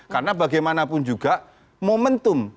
karena bagaimanapun juga momentum